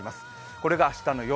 これが明日の夜。